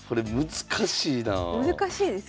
難しいですよね。